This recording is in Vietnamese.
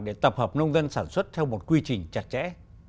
để tập hợp nông dân sản xuất theo một quy trình chặt chẽ